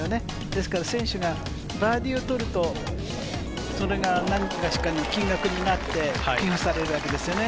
ですから、選手がバーディーを取るとそれが何かしらの金額になって寄付されるわけですね。